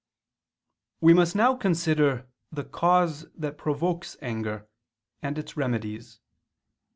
We must now consider the cause that provokes anger, and its remedies.